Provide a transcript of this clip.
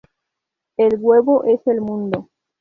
El huevo es el mundo.